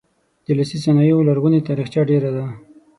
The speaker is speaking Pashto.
د لاسي صنایعو لرغونې تاریخچه ډیره ده.